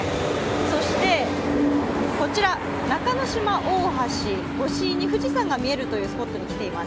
そして、中の島大橋越しに富士山が見えるというスポットに来ています。